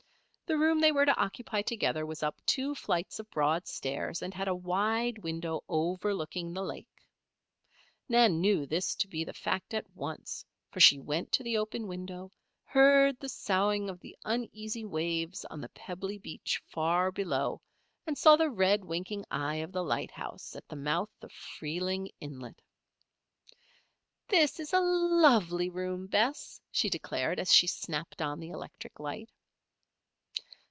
The room they were to occupy together was up two flights of broad stairs, and had a wide window overlooking the lake. Nan knew this to be the fact at once, for she went to the open window, heard the soughing of the uneasy waves on the pebbly beach far below, and saw the red, winking eye of the lighthouse at the mouth of Freeling Inlet. "This is a lovely room, Bess," she declared, as she snapped on the electric light.